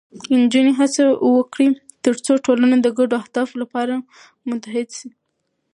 نجونې هڅه وکړي، ترڅو ټولنه د ګډو اهدافو لپاره متحدېږي.